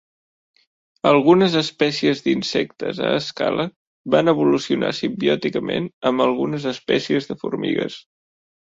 Algunes espècies d'insectes a escala van evolucionar simbiòticament amb algunes espècies de formigues.